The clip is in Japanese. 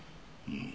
うん。